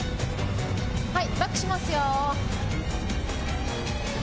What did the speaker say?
バックしますよ。